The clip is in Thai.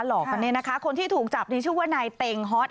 กันเนี่ยนะคะคนที่ถูกจับนี่ชื่อว่านายเต็งฮอต